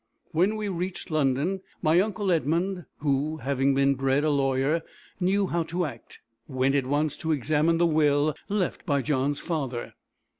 When we reached London, my uncle Edmund, who, having been bred a lawyer, knew how to act, went at once to examine the will left by John's father.